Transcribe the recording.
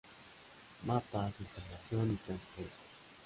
Mapas, Información y transportes.